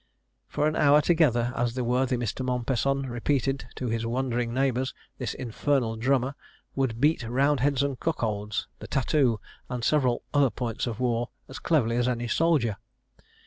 For an hour together, as the worthy Mr. Mompesson repeated to his wondering neighbours, this infernal drummer "would beat 'Roundheads and Cuckolds,' the 'Tat too,' and several other points of war, as cleverly as any soldier."